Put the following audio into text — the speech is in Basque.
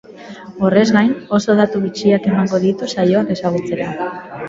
Horrez gain, oso datu bitxiak emango ditu saioak ezagutzera.